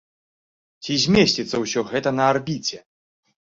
Ці змесціцца ўсё гэта на арбіце?